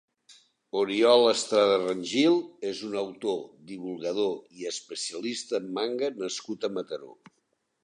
Oriol Estrada Rangil és un autor, divulgador i especialista en manga nascut a Mataró.